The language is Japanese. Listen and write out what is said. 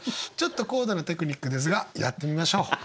ちょっと高度なテクニックですがやってみましょう。